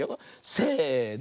せの。